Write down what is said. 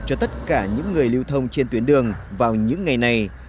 cho tất cả những người lưu thông trên tuyến đường vào những ngày này